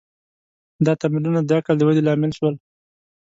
دا تمرینونه د عقل د ودې لامل شول.